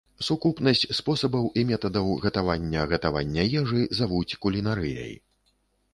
Сукупнасць спосабаў і метадаў гатавання гатавання ежы завуць кулінарыяй.